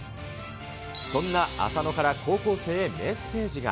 そんな浅野から高校生へメッセージが。